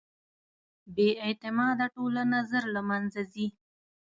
بېاعتماده ټولنه ژر له منځه ځي.